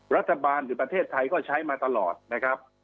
รัฐบาลหรือประเทศไทยก็ใช้มาตลอดนะครับ